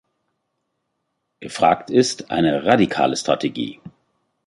Gefragt ist eine radikale Strategie.